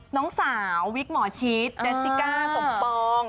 น้องสาววิกหมอชิดเจสสิก้าสมปอง